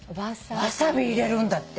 ワサビ入れるんだって。